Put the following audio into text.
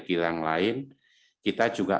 kilang lain kita juga